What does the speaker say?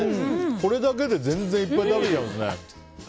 これだけで全然いっぱい食べちゃいますね。